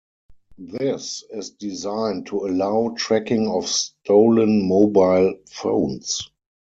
This is designed to allow tracking of stolen mobile phones.